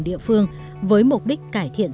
địa phương với mục đích cải thiện